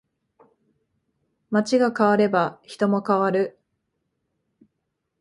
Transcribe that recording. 街が変われば人も変わる